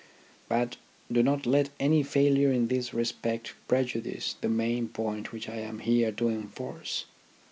But do not let any failure in this respect prejudice the main point which I am here to enforce.